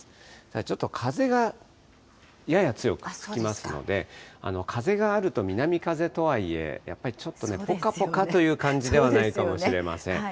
ちょっと風がやや強く吹きますので、風があると、南風とはいえ、やっぱりちょっとぽかぽかという感じではないかもしれません。